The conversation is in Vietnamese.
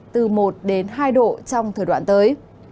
từ một đến hai độ trong thời đoạn tới